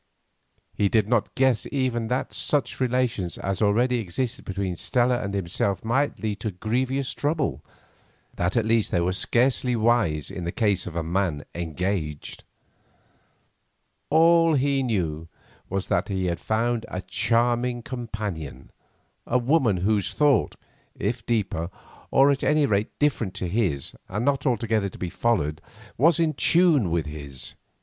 He did not guess even that such relations as already existed between Stella and himself might lead to grievous trouble; that at least they were scarcely wise in the case of a man engaged. All he felt, all he knew, was that he had found a charming companion, a woman whose thought, if deeper, or at any rate different to his and not altogether to be followed, was in tune with his.